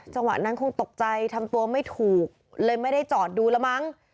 จังหวะนั้นคงตกใจทำตัวไม่ถูกเลยไม่ได้จอดดูแล้วมั้ง